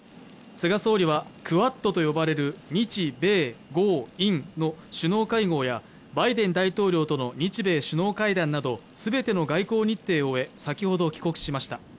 菅総理はクアッドと呼ばれる日米豪印の首脳会合やバイデン大統領との日米首脳会談など全ての外交日程を終え先ほど、帰国しました。